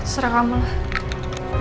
sera kamu lah